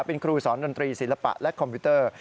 เป็นครูสอนดนตรีศิลปะและคอมพิวเตอร์